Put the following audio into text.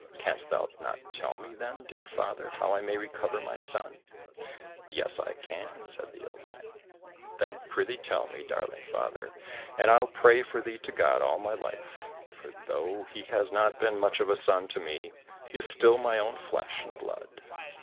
Canst thou not tell me then, dear father, how I may recover my son ?"—" Yes, I can," said the old man. —" Then pry thee tell me, darling father, and I'll pray for thee to God all my life, for though he has not been much of a son to me, he is still my own flesh and blood."